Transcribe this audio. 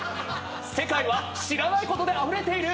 世界は知らないことであふれている！